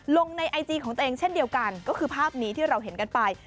ลงในไอจีของตัวเองเช่นเดียวกันก็คือภาพนี้ที่เราเห็นกันไป